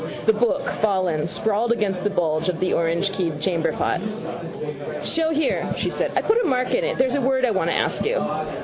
The book, fallen, sprawled against the bulge of the orangekeyed chamberpot. —Show here, she said. I put a mark in it. There's a word I wanted to ask you.